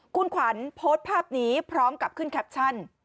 คุณขวัญโพสต์ภาพนี้พร้อมกับขึ้นแคปชั่น